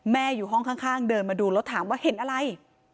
อยู่ห้องข้างเดินมาดูแล้วถามว่าเห็นอะไร